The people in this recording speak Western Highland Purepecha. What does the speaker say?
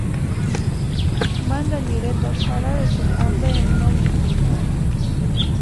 Mantani iretani xarhatasïnti ampe énka no mitinhakʼa.